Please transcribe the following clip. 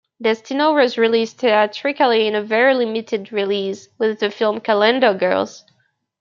"Destino" was released theatrically in a very limited release with the film "Calendar Girls".